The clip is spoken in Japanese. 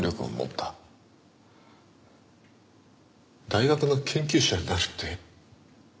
大学の研究者になるって？